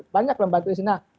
banyak lah membantu istri